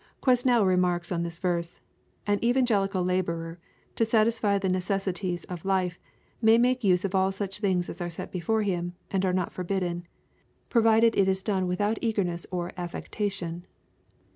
"] Quesnel remarks oe tlus verse, " An evangelical laborer, to satisfy the necessities of life, may make use of all such things as are set before him, and are cot forbidden, provided it be done without eagerness on LUKE, CHAP. X. 357 affectation.